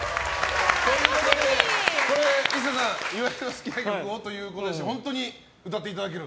ということでＩＳＳＡさん岩井の好きな曲をということで本当に歌っていただける？